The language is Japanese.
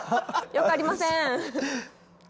よくありません。